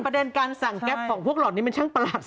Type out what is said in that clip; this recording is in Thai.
ประเด็นการสั่งแก๊ปของพวกเหล่านี้มันช่างประหลัด